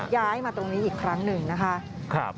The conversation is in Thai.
ย้ายมาตรงนี้อีกครั้งหนึ่งนะคะ